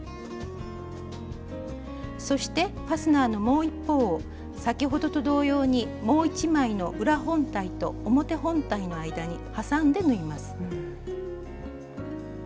そしてファスナーのもう一方を先ほどと同様にもう一枚の裏本体と表本体の間にはさんで縫います。